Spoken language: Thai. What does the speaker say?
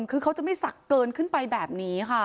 คือเขาจะไม่สักเกินขึ้นไปแบบนี้ค่ะ